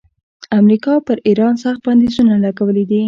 امریکا پر ایران سخت بندیزونه لګولي.